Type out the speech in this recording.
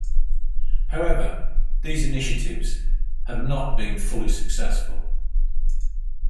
However, these initiatives have not been fully successful.